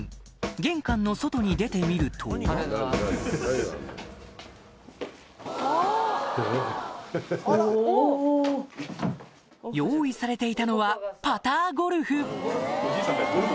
玄関の外に出てみると用意されていたのはジャンケンポイ。